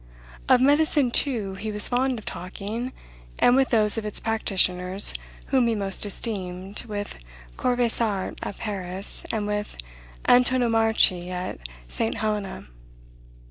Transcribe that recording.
Of medicine, too, he was fond of talking, and with those of its practitioners whom he most esteemed, with Corvisart at Paris, and with Antonomarchi at St. Helena.